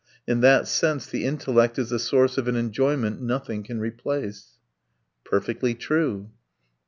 In that sense the intellect is the source of an enjoyment nothing can replace." "Perfectly true."